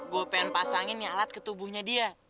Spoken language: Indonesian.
gue pengen pasangin alat ke tubuhnya dia